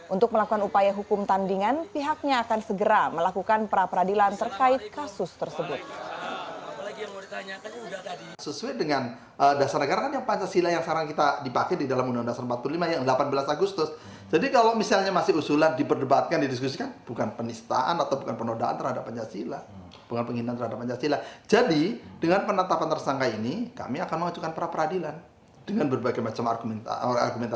untuk melakukan upaya hukum tandingan pihaknya akan segera melakukan peradilan terkait kasus tersebut